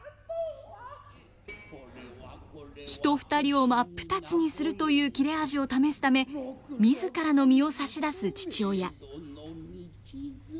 人２人を真っ二つにするという切れ味を試すため自らの身を差し出す父親。